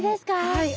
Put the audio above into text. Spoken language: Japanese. はい。